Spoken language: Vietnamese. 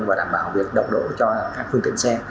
và đảm bảo việc đọc đổ cho các phương tiện xe